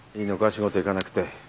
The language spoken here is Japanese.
仕事行かなくて。